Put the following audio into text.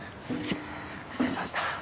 失礼しました。